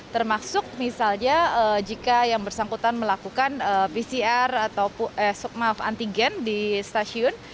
termasuk misalnya jika yang bersangkutan melakukan pcr atau maaf antigen di stasiun